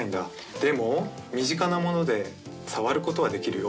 でも身近なもので触ることはできるよ。